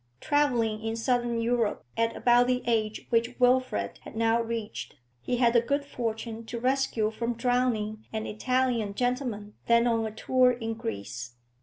Travelling in Southern Europe at about the age which Wilfrid had now reached, he had the good fortune to rescue from drowning an Italian gentleman then on a tour in Greece.